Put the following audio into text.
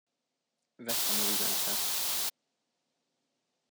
Vettem az üzenetet.